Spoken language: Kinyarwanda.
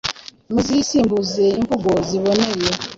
muzisimbuze imvugo ziboneye.